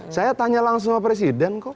saya tanya langsung sama presiden kok